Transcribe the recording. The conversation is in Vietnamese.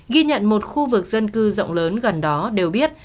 ghi nhận một khu vực dân cư rộng lớn gần đó đều biết